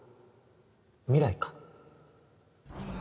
未来か？